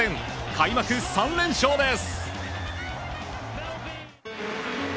開幕３連勝です。